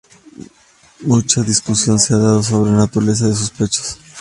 Mucha discusión se ha dado sobre la naturaleza de sus pechos.